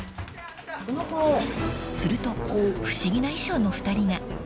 ［すると不思議な衣装の２人が］